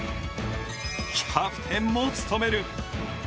キャプテンも務める。